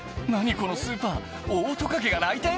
このスーパーオオトカゲが来店？